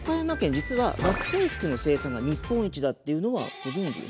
実は学生服の生産が日本一だっていうのはご存じ？